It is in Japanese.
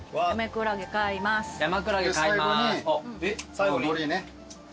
最後にのりね。